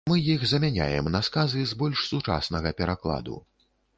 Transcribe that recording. Мы іх замяняем на сказы з больш сучаснага перакладу.